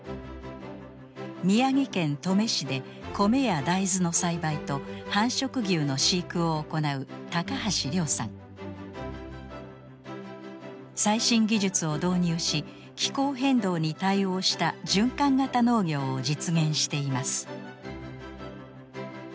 宮城県登米市でコメや大豆の栽培と繁殖牛の飼育を行う最新技術を導入し気候変動に対応した循環型農業を実現しています。